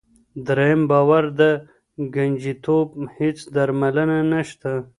دریم باور: د ګنجیتوب هېڅ درملنه نشته.